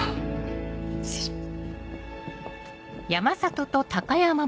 失礼します。